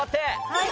はい。